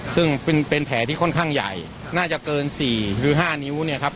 ซึ่งเป็นแผลที่ค่อนข้างใหญ่น่าจะเกิน๔หรือ๕นิ้วเนี่ยครับ